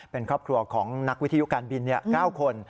เป็นครอบครัวของนักวิทยุการบิน๙คน